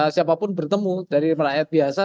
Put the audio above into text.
siapapun bertemu dari rakyat biasa